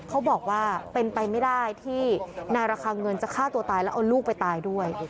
เขาบอกว่าเป็นไปไม่ได้ที่นายระคังเงินจะฆ่าตัวตายแล้วเอาลูกไปตายด้วย